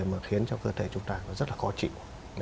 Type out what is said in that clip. mà khiến cho cơ thể chúng ta rất là khó chịu